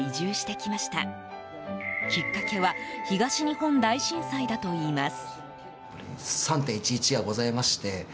きっかけは東日本大震災だといいます。